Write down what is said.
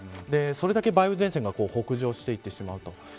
それだけ梅雨前線が北上していってしまう。